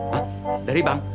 hah dari bank